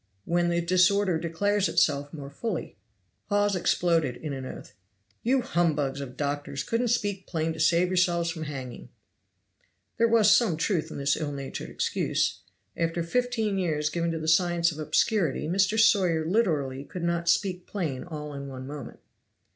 "When the disorder declares itself more fully." Hawes exploded in an oath. "You humbugs of doctors couldn't speak plain to save yourselves from hanging." There was some truth in this ill natured excuse. After fifteen years given to the science of obscurity Mr. Sawyer literally could not speak plain all in one moment.